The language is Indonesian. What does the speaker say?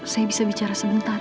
saya bisa bicara sebentar